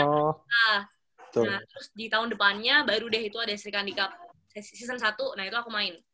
nah terus di tahun depannya baru deh itu ada sri kandikap sesi season satu nah itu aku main